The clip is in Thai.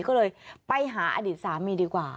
ก็เลยไปหาอดีตสามีดีกว่า